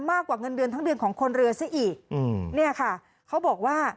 มากกว่าเงินเดือนทั้งเดือนของคนเรือซะอีกอืมเนี่ยค่ะเขาบอกว่า